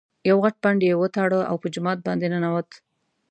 یو غټ پنډ یې وتاړه او په جومات باندې ننوت.